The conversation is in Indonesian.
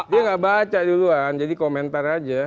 dia nggak baca duluan jadi komentar aja